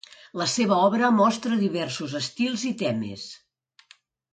La seva obra mostra diversos estils i temes.